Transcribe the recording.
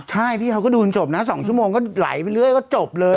ใช่พี่เขาก็ดูจนจบนะ๒ชั่วโมงก็ไหลไปเรื่อยก็จบเลย